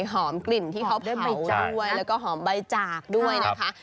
หอมกลิ่นที่เขาเป็นใบจ้วยแล้วก็หอมใบจากด้วยนะคะ